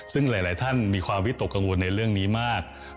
ซึ่งหลายท่านมีความวิตกกังวลในเรื่องนี้มาก